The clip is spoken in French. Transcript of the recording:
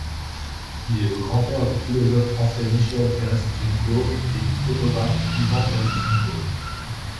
Il est le grand-père du philosophe français Michel Terestchenko et du photographe Ivan Terestchenko.